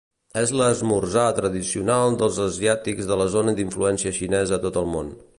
És l'esmorzar tradicional dels asiàtics de la zona d'influència xinesa a tot el món.